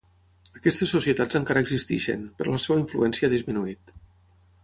Aquestes societats encara existeixen, però la seva influència ha disminuït.